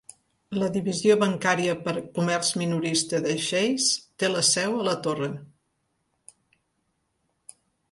La divisió bancària per a comerç minorista de Chase té la seu a la torre.